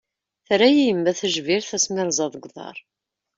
Terra-iyi yemma tajbirt ass mi ṛẓeɣ deg uḍaṛ.